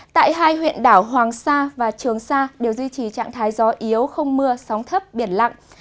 tại hai huyện đảo hoàng sa và trường sa đều duy trì trạng thái gió yếu không mưa sóng thấp biển lặng